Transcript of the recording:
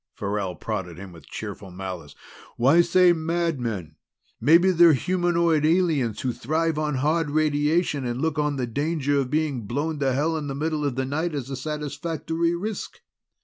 Farrell prodded him with cheerful malice. "Why say mad men? Maybe they're humanoid aliens who thrive on hard radiation and look on the danger of being blown to hell in the middle of the night as a satisfactory risk."